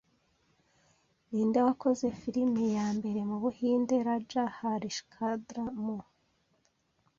Ninde wakoze film ya mbere mu Buhinde 'Raja Harishchandra' mu